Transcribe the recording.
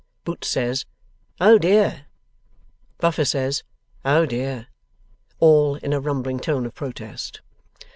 Boots says, 'Oh dear!' Buffer says, 'Oh dear!' All, in a rumbling tone of protest.